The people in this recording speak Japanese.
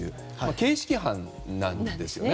形式犯なんですね。